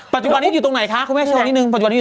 ปัจจุบันนี้อยู่ตรงไหนคะคุณแม่โชว์นิดนึง